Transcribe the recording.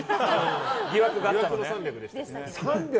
疑惑の３００でした。